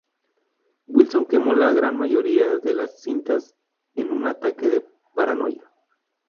Wilson quemó la gran mayoría de las cintas en un ataque de paranoia.